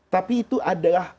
tapi itu adalah